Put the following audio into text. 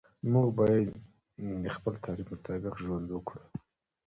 موږ باید د خپل تعریف مطابق ژوند وکړو.